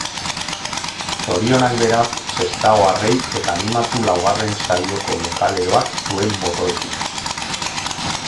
Zorionak beraz sestaoarrei eta animatu laugarren saioko lokaleroak zuen botoekin.